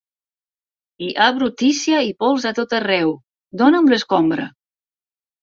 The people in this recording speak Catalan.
Hi ha brutícia i pols a tot arreu, dona'm l'escombra!